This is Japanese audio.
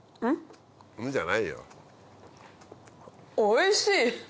おいしい。